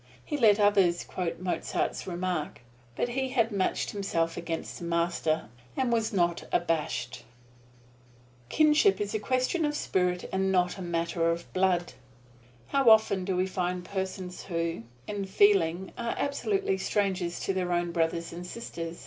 He let others quote Mozart's remark; but he had matched himself against the Master, and was not abashed. Kinship is a question of spirit and not a matter of blood. How often do we find persons who, in feeling, are absolutely strangers to their own brothers and sisters!